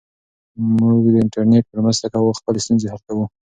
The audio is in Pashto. موږ د انټرنیټ په مرسته خپلې ستونزې حل کوو.